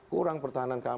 kurang pertahanan keamanan